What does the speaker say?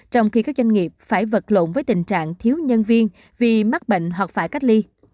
trong khi các doanh nghiệp phải vật lộn với tình trạng thiếu nhân viên vì mắc bệnh hoặc phải cách ly